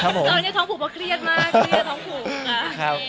ตอนนี้ท้องผูกก็เครียดมาก